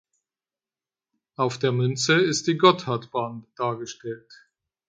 Auf der Münze ist die Gotthardbahn dargestellt.